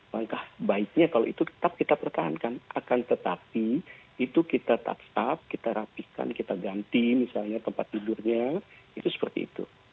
langkah baiknya kalau itu tetap kita pertahankan akan tetapi itu kita top stop kita rapikan kita ganti misalnya tempat tidurnya itu seperti itu